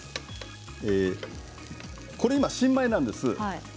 これ今、新米なんです。